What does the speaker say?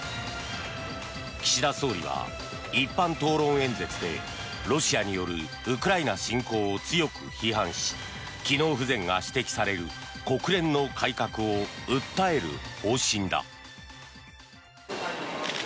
岸田総理は一般討論演説でロシアによるウクライナ侵攻を強く批判し機能不全が指摘される国連の改革を訴える方針だ。